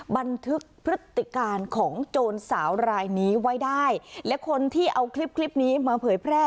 บันทึกพฤติการของโจรสาวรายนี้ไว้ได้และคนที่เอาคลิปคลิปนี้มาเผยแพร่